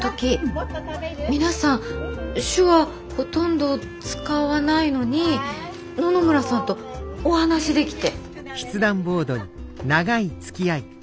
皆さん手話ほとんど使わないのに野々村さんとお話できて。